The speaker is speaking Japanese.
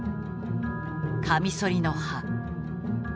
カミソリの刃。